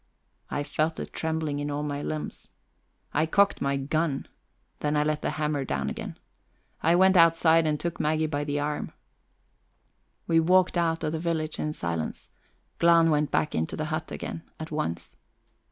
I felt a trembling in all my limbs. I cocked my gun; then I let the hammer down again. I went outside and took Maggie by the arm; we walked out of the village in silence; Glahn went back into the hut again at once.